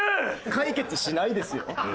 解決しないですよ？